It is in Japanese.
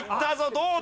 どうだ？